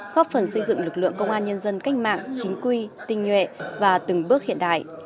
góp phần xây dựng lực lượng công an nhân dân cách mạng chính quy tinh nhuệ và từng bước hiện đại